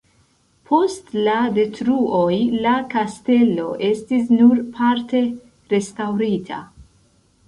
Post la detruoj la kastelo estis nur parte restaŭrita.